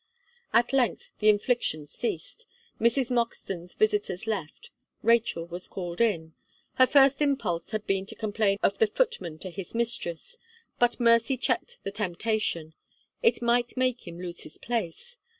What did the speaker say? At length, the infliction ceased. Mrs. Moxton's visitors left; Rachel was called in. Her first impulse had been to complain of the footman to his mistress; but mercy checked the temptation; it might make him lose his place.